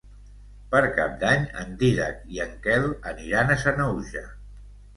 Per Cap d'Any en Dídac i en Quel aniran a Sanaüja.